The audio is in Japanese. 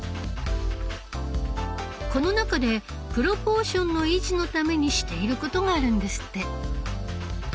この中でプロポーションの維持のためにしていることがあるんですって。